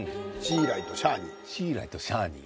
シーライとシャーニー。